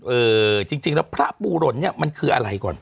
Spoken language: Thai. เออจริงแล้วพระปูหล่นเนี่ยมันคืออะไรก่อน